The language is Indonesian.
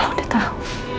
aku udah tau